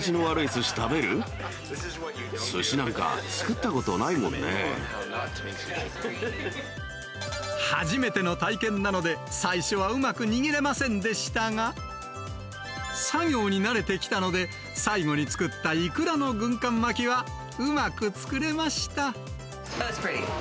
すしなんか作ったことないも初めての体験なので、最初はうまく握れませんでしたが、作業に慣れてきたので、最後に作ったイクラの軍艦巻きは、うまく作れました。